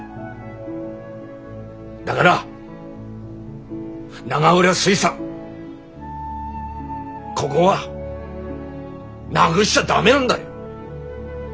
だがら永浦水産こごはなぐしちゃ駄目なんだよ。